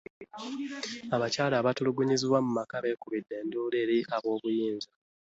Abakyaala abatulugunyizibbwa mu maka beekubidde enduulu eri ab'obuyinza.